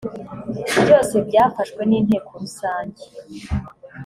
byose byafashwe n inteko rusange